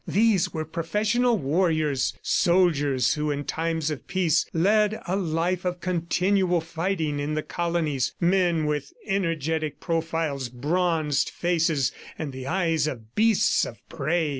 These were professional warriors, soldiers who in times of peace, led a life of continual fighting in the colonies men with energetic profiles, bronzed faces and the eyes of beasts of prey.